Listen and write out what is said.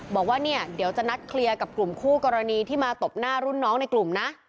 บอกว่าเนี่ยเดี๋ยวจะนัดเคลียร์กับกลุ่มคู่กรณีที่มาตบหน้ารุ่นน้องในกลุ่มนะ